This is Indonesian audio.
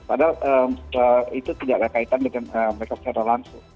padahal itu tidak ada kaitan dengan mereka secara langsung